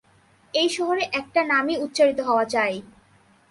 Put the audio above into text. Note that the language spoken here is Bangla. এই শহরে একটা নামই উচ্চারিত হওয়া চাই।